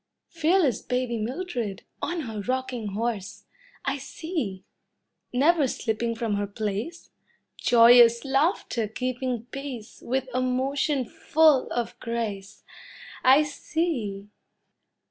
Fearless baby Mildred, on her rocking horse I see! Never slipping from her place, Joyous laughter keeping pace With a motion full of grace I see!